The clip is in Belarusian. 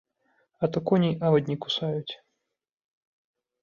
А то коней авадні кусаюць.